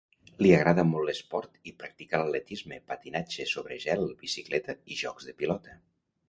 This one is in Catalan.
Li agrada molt l'esport i practica l'atletisme, patinatge sobre gel, bicicleta i jocs de pilota.